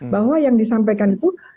bahwa yang disampaikan itu